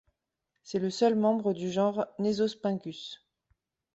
C’est le seul membre du genre Nesospingus.